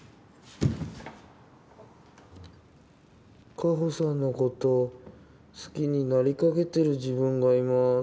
果帆さんのこと好きになりかけてる自分がいます。